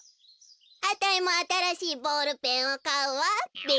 あたいもあたらしいボールペンをかうわべ！